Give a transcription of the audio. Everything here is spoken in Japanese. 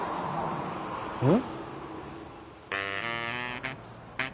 うん？